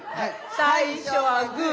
最初はグー！